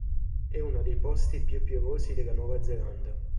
È uno dei posti più piovosi della Nuova Zelanda.